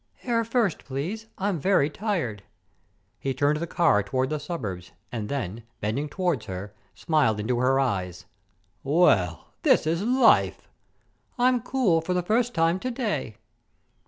"Air first, please. I'm very tired." He turned the car toward the suburbs, and then, bending toward her, smiled into her eyes. "Well, this is life!" "I'm cool for the first time to day."